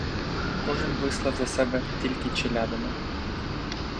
Кожний вислав за себе тільки челядина.